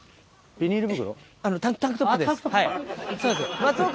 ビニール袋。